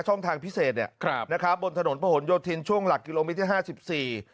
ทางพิเศษเนี่ยครับนะครับบนถนนพระหลโยธินช่วงหลักกิโลเมตรที่ห้าสิบสี่